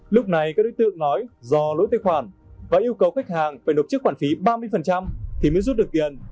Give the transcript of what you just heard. lúc này các đối tượng nói do lỗi tài khoản và yêu cầu khách hàng phải nộp trước khoản phí ba mươi thì mới rút được tiền